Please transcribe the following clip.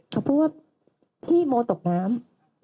เขาพูดว่าพี่โมตกน้ำ